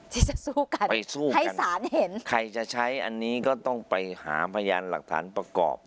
ที่จะสู้กันไปสู้ให้สารเห็นใครจะใช้อันนี้ก็ต้องไปหาพยานหลักฐานประกอบ